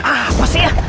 apa sih ya